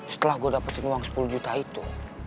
setelah gue dapetin uang sepuluh juta itu